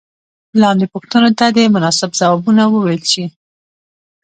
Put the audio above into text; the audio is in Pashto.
لاندې پوښتنو ته دې مناسب ځوابونه وویل شي.